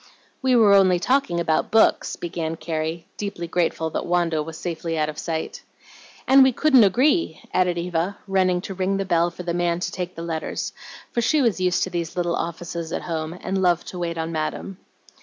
"We were only talking about books," began Carrie, deeply grateful that Wanda was safely out of sight. "And we couldn't agree," added Eva, running to ring the bell for the man to take the letters, for she was used to these little offices at home, and loved to wait on Madam.